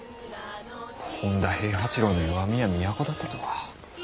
本多平八郎の弱みは都だったとは。